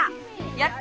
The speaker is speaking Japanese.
やった！